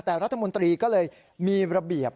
แต่รัฐมนตรีก็เลยมีระเบียบ